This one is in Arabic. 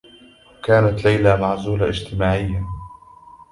كانت ليلى معزولة اجتماعيّا.